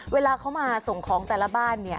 เวลาเขามาส่งของแต่ละบ้าน